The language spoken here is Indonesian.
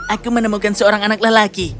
aku menemukan seorang anak lelaki